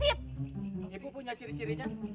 ibu punya ciri cirinya